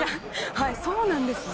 はいそうなんですよね。